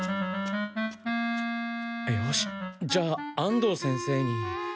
よしじゃあ安藤先生に。